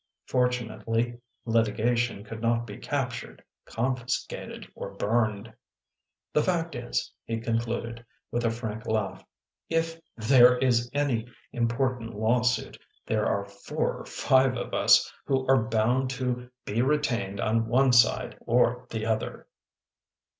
Fortu nately, litigation could not be captured, confiscated or burned. " The fact is," he concluded, with a frank laugh, " if there is any important lawsuit, there are four or five of us who are bound to be retained on one side or the other."